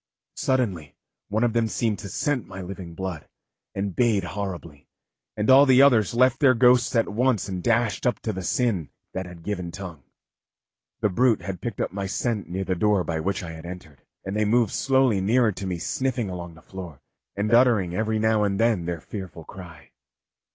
Suddenly one of them seemed to scent my living blood, and bayed horribly, and all the others left their ghosts at once and dashed up to the sin that had given tongue. The brute had picked up my scent near the door by which I had entered, and they moved slowly nearer to me sniffing along the floor, and uttering every now and then their fearful cry.